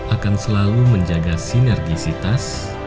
akan selalu menjaga sinergisitas